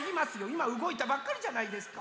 いまうごいたばっかりじゃないですか。